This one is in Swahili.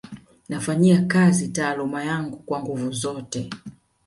Nafanyia kazi taaluma yangu kwa nguvu zote